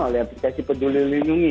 oleh aplikasi peduli lindungi